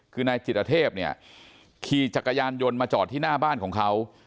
คือนายจิตเทพเนี่ยขี่จักรยานยนต์มาจอดที่หน้าบ้านของเขา